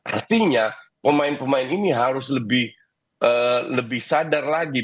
artinya pemain pemain ini harus lebih sadar lagi